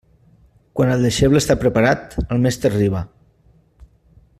Quan el deixeble està preparat, el mestre arriba.